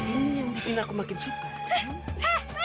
ini yang bikin aku makin suka